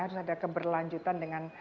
harus ada keberlanjutan dengan